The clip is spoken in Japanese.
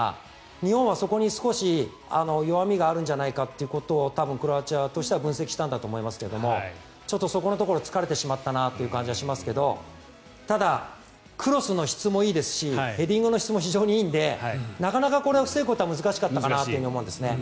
日本はそこに少し弱みがあるんじゃないかということを多分、クロアチアとしては分析したんだと思いますけどそこのところを突かれてしまった感じがしますけどただ、クロスの質もいいですしヘディングの質も非常にいいんでなかなか防ぐことは難しかったかなと思うんですね。